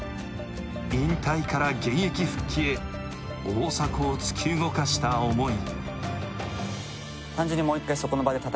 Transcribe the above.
引退から現役復帰へ、大迫を突き動かした思い。